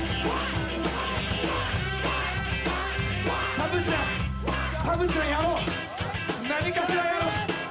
たぶっちゃん、たぶっちゃんやろう、何かしらやろう。